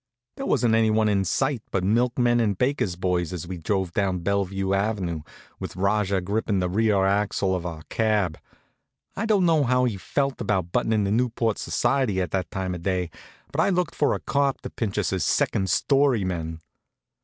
There wasn't anyone in sight but milkmen and bakers' boys as we drove down Bellevue ave., with Rajah grippin' the rear axle of our cab. I don't know how he felt about buttin' into Newport society at that time of day, but I looked for a cop to pinch us as second story men.